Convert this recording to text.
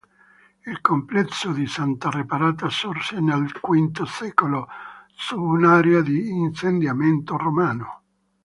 Il complesso di Santa Reparata sorse nel V secolo su un'area di insediamento romano.